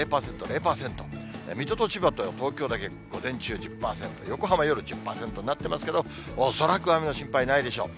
水戸と千葉と東京だけ午前中１０％、横浜夜１０％になってますけど、恐らく雨の心配ないでしょう。